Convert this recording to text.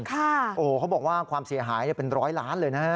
เขาบอกว่าความเสียหายเป็นร้อยล้านเลยนะฮะ